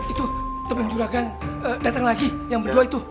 itu temen juragan datang lagi yang berdua itu